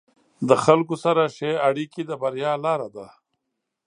له خلکو سره ښه اړیکې د بریا لاره ده.